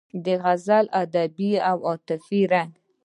د غزل ادبي او عاطفي رنګ